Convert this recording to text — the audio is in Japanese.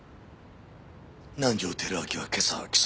南条輝明は今朝起訴された。